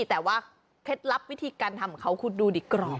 แต่ว่าเคล็ดลับวิธีการทำเขาคุณดูดิกรอบ